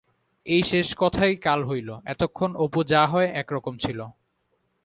এই শেষ কথাই কাল হইল-এতক্ষণ অপু যা হয় এক রকম ছিল।